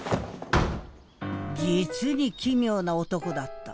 実に奇妙な男だった。